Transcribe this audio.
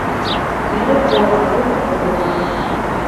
Ӱдыр «Олмапу» мурым мура.